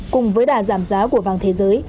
cùng với đà giảm giá của vàng thế giới